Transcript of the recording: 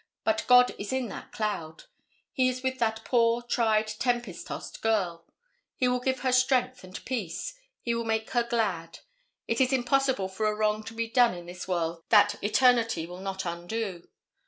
But God is in that cloud. He is with that poor, tried tempest tossed girl; he will give her strength and peace; he will make her glad. It is impossible for a wrong to be done in this world that eternity will not undo.